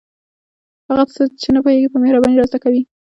هغه څه چې نه پوهیږو په مهربانۍ را زده کوي.